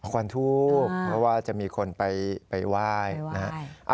ควันทูบเพราะว่าจะมีคนไปไหว้นะฮะ